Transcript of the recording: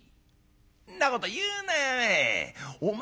「んなこと言うなよお前。